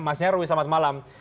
mas nyarwi selamat malam